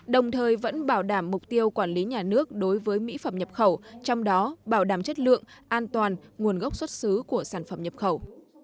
đồng thời vẫn bảo đảm mục tiêu quản lý nhà nước đối với mỹ phẩm nhập khẩu trong đó bảo đảm chất lượng an toàn nguồn gốc xuất xứ của sản phẩm nhập khẩu